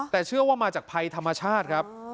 แต่เชื่อว่ามาจากภัยธรรมชาติครับ